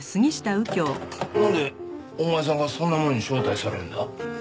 なんでお前さんがそんなものに招待されるんだ？